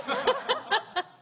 ハハハハハ！